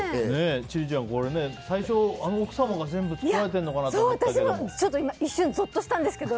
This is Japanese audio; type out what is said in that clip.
千里ちゃん、これ最初奥様が全部作られてるのかなと私も今一瞬ぞっとしたんですけど。